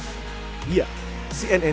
tetapi juga untuk menjaga kepentingan